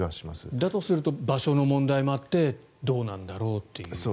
だとすると場所の問題もあってどうなんだろうという。